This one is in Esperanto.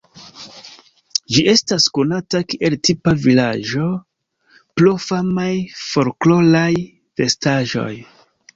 Ĝi estas konata kiel tipa vilaĝo pro famaj folkloraj vestaĵoj.